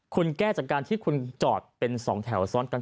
คุณแก้จากการที่คุณจอดเป็น๒แถวซ้อนกัน